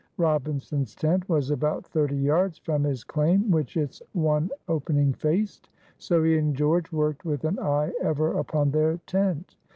Robinson's tent was about thirty yards from his claim, which its one opening faced. So he and George worked with an eye ever upon their tent.